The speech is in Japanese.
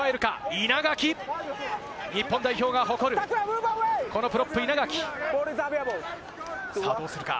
稲垣、日本代表が誇るこのプロップの稲垣、どうするか。